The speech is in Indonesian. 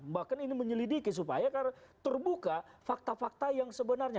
bahkan ini menyelidiki supaya karena terbuka fakta fakta yang sebenarnya